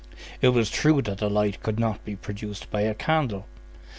It was true that the light could not be produced by a candle.